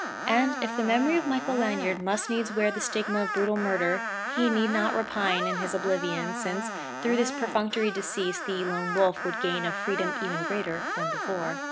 And if the memory of Michael Lanyard must needs wear the stigma of brutal murder, he need not repine in his oblivion, since through this perfunctory decease the Lone Wolf would gain a freedom even greater than before.